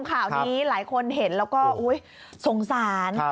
ข่าวนี้หลายคนเห็นแล้วก็อุ๊ยสงสาร